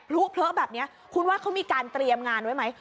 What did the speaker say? เผลอแบบนี้คุณว่าเขามีการเตรียมงานไว้ไหม